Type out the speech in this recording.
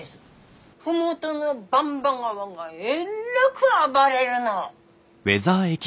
☎麓の番場川がえっらく暴れるの。